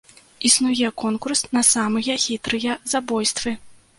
Існуе конкурс на самыя хітрыя забойствы.